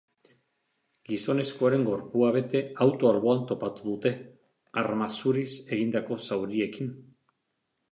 Gizonezkoaren gorpua bete auto alboan topatu dute, arma zuriz egindako zauriekin.